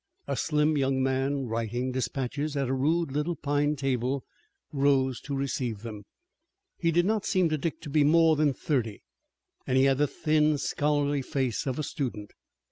A slim young man, writing dispatches at a rude little pine table, rose to receive them. He did not seem to Dick to be more than thirty, and he had the thin, scholarly face of a student.